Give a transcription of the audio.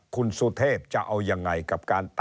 คุณสุเทพจะเอายังไงกับการ